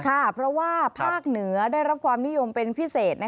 เพราะว่าภาคเหนือได้รับความนิยมเป็นพิเศษ